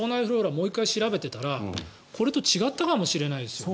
もう１回調べていたらこれと違ったかもしれないですよね。